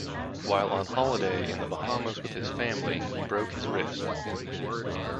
While on holiday in the Bahamas with his family, he broke his wrist.